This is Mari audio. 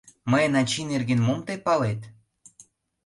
Мыйын ачий нерген мом тый палет?